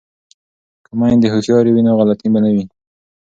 که میندې هوښیارې وي نو غلطي به نه وي.